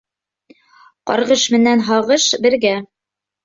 Ҡарғыш менән һағыш бергә.